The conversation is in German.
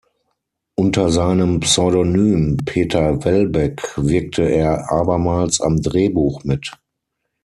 Unter seinem Pseudonym Peter Welbeck wirkte er abermals am Drehbuch mit.